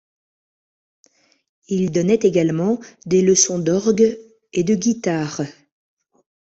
Il donnait également des leçons d'orgue et de guitare.